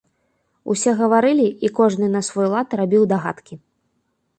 Усе гаварылі, і кожны на свой лад рабіў дагадкі.